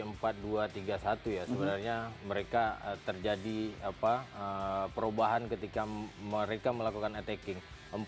sebenarnya mereka terjadi perubahan ketika mereka melakukan attacking